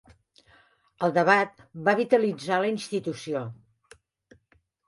El debat va vitalitzar la institució.